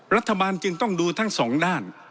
รัฐบาลจึงต้องดูทั้งสองด้าน